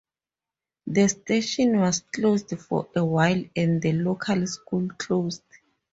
The station was closed for a while and the local school closed.